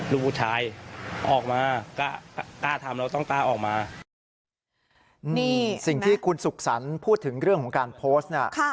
ลูกผู้ชายออกมากล้ากล้าทำเราต้องกล้าออกมานี่สิ่งที่คุณสุขสรรค์พูดถึงเรื่องของการโพสต์น่ะค่ะ